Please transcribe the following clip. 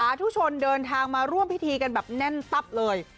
ทุชนเดินทางมาร่วมพิธีกันแบบแน่นตับเลย